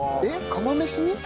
釜飯に？